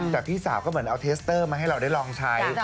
แต่พี่สาวก็เหมือนเอาเทสเตอร์มาให้เราได้ลองใช้